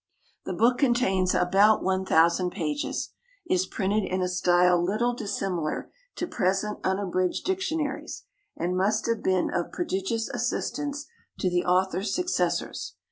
The book contains about one thousand pages, is printed in a style little dissimilar to present unabridged dictionaries, and must have been of prodigious assistance to the author's successors.